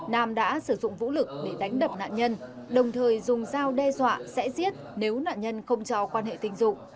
nam đã sử dụng vũ lực để đánh đập nạn nhân đồng thời dùng dao đe dọa sẽ giết nếu nạn nhân không cho quan hệ tình dục